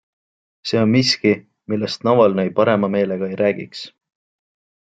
See on miski, millest Navalnõi parema meelega ei räägiks.